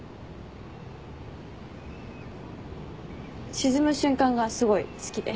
沈む瞬間がすごい好きで。